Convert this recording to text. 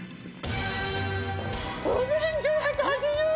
５９８０円！